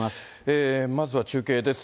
まずは中継です。